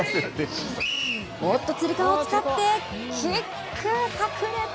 おっと、つり革を使ってキックさく裂！